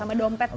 sama dompet juga